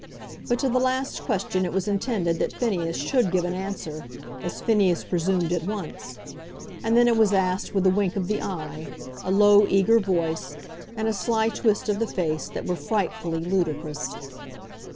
But to the last question it was intended that Phineas should give an answer, as Phineas presumed at once; and then it was asked with a wink of the eye, a low eager voice, and a sly twist of the face that were frightfully ludicrous.